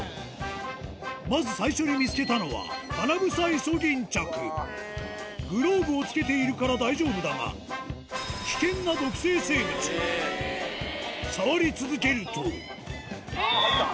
まず最初に見つけたのはグローブを着けているから大丈夫だが危険な毒性生物触り続けるとえぇ！